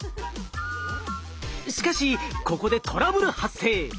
しかしここでトラブル発生。